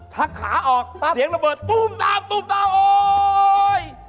ขาออกเสียงระเบิดตุ้มดาวตุ้มดาวโอ๊ย